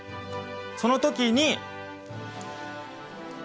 その時に。